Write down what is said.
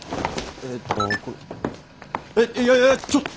えっいやちょっと。